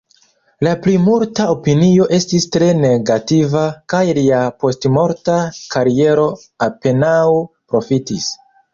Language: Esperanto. La plimulta opinio estis tre negativa, kaj lia postmorta kariero apenaŭ profitis.